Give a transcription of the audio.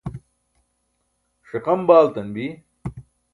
ṣiqam baaltan bi